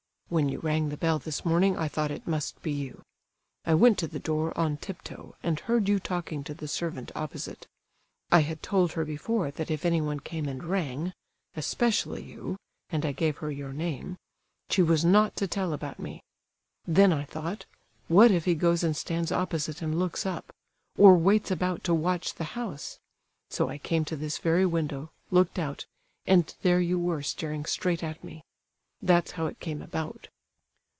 "When you rang the bell this morning I thought it must be you. I went to the door on tip toe and heard you talking to the servant opposite. I had told her before that if anyone came and rang—especially you, and I gave her your name—she was not to tell about me. Then I thought, what if he goes and stands opposite and looks up, or waits about to watch the house? So I came to this very window, looked out, and there you were staring straight at me. That's how it came about."